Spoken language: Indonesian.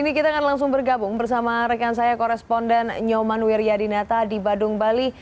ini kita akan langsung bergabung bersama rekan saya koresponden nyoman wiryadinata di badung bali